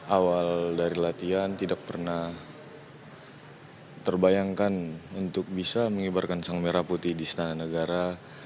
awal dari latihan tidak pernah terbayangkan untuk bisa mengibarkan sang merah putih di istana negara